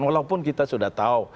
walaupun kita sudah tahu